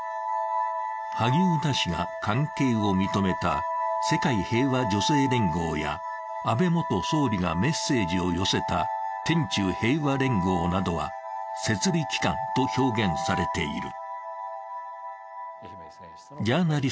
萩生田氏が関係を認めた世界平和女性連合や安倍元総理がメッセージを寄せた天宙平和連合などは、摂理機関と表現されている。